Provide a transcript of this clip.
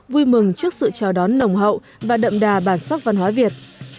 vui mừng trước sự chào đón nồng hậu và đậm đà bản sắc văn hóa việt